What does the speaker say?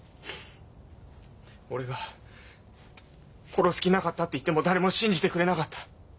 俺が殺す気なかったって言っても誰も信じてくれなかった。